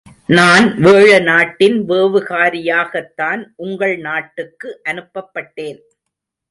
நான் வேழ நாட்டின் வேவுகாரியாகத்தான் உங்கள் நாட்டுக்கு அனுப்பப்பட்டேன்.